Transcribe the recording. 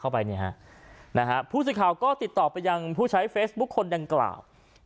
พูดสิทธิ์ข่าวก็ติดตอบไปยังผู้ใช้เฟซบุ๊คคนดังกล่าว